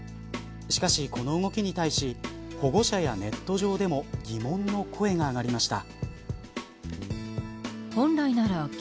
しかし、この動きに対し保護者やネット上でも疑問の声が上がりました。